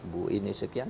bu ini sekian